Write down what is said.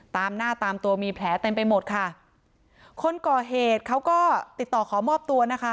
ตามหน้าตามตัวมีแผลเต็มไปหมดค่ะคนก่อเหตุเขาก็ติดต่อขอมอบตัวนะคะ